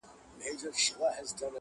بيا هم په حسن د چا کمه حسنداره نه وه